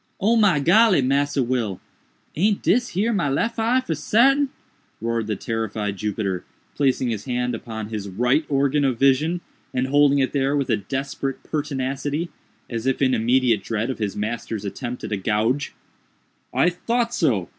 "Oh, my golly, Massa Will! aint dis here my lef eye for sartain?" roared the terrified Jupiter, placing his hand upon his right organ of vision, and holding it there with a desperate pertinacity, as if in immediate dread of his master's attempt at a gouge. "I thought so!